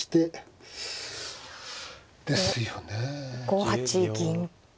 ５八銀と。